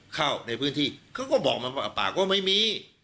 เขาก็บอกปากก็ไม่มี